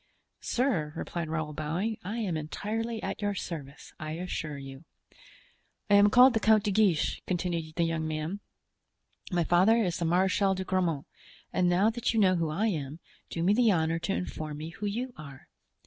"Sir," replied Raoul, bowing, "I am entirely at your service, I assure you." "I am called the Count de Guiche," continued the young man; "my father is the Marechal de Grammont; and now that you know who I am, do me the honor to inform me who you are."